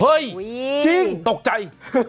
เฮ้ยจริงตกใจ